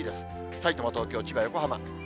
さいたま、東京、千葉、横浜。